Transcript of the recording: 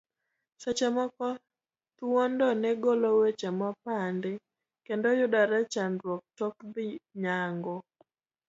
Seche moko, thuondo ne golo weche mopandi, kendo yudore e chandruok tok dhi nyango.